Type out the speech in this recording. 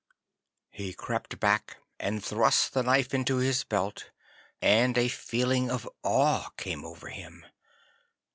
He crept back, and thrust the knife into his belt, and a feeling of awe came over him.